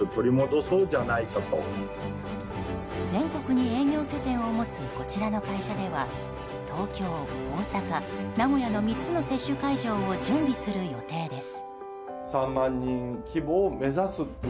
全国に営業拠点を持つこちらの会社では東京、大阪、名古屋の３つの接種会場を準備する予定です。